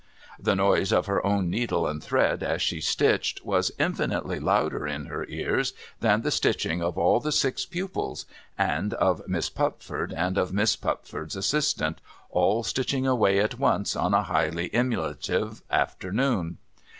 The noise of her own needle and thread as she stitched, was infinitely louder in her ears than the stitching of all the six pupils, and of Miss Pupford, and of Miss Pupford's assistant, all stitching away at once on a highly emulative afternoon.